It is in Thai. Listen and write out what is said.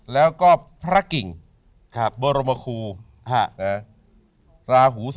แล้วก็พระกิ่งบรมคูราหู